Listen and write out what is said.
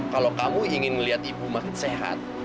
kalau kamu ingin melihat ibu makin sehat